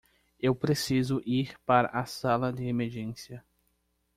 Eu preciso ir para a sala de emergência.